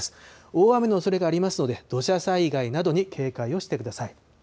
大雨のおそれがありますので、土砂災害などに警戒をしてください。